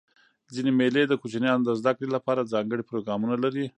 ځيني مېلې د کوچنيانو د زدهکړي له پاره ځانګړي پروګرامونه لري.